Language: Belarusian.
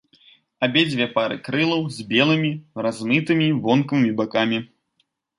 Абедзве пары крылаў з белымі, размытымі вонкавымі бакамі.